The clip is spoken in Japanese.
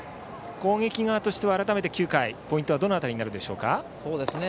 攻撃側としては改めて９回ポイントはどの辺りになるでしょうか。